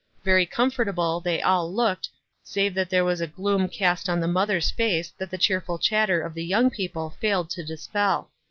Very comfortable they all looked, save that there was a gloom cast on the mother's face that the cheerful shatter of the young people failed to dispel.